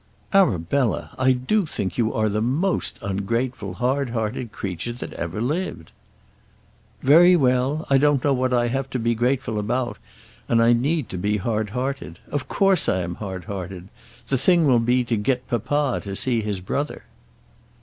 "Arabella, I do think you are the most ungrateful, hard hearted creature that ever lived." "Very well; I don't know what I have to be grateful about, and I need to be hard hearted. Of course I am hard hearted. The thing will be to get papa to see his brother."